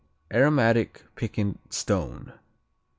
_ Aromatic, piquant "stone."